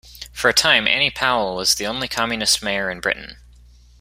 For a time, Annie Powell was the only Communist mayor in Britain.